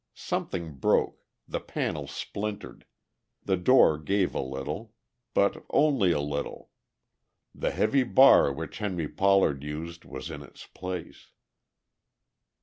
Something broke; the panel splintered; the door gave a little. But only a little; the heavy bar which Henry Pollard used was in its place.